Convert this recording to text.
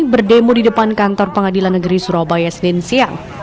berdemo di depan kantor pengadilan negeri surabaya senin siang